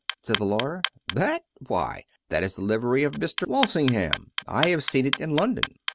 said the lawyer. "That? Why, that is the livery of Mr. Walsingham. I have seen it in London."